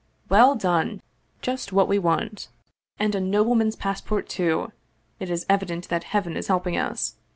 " Well done ! Just what we want ! And a noble's pass port, too! It is evident that Heaven is helping us.